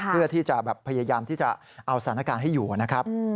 เพื่อที่จะแบบพยายามที่จะเอาสถานการณ์ให้อยู่นะครับ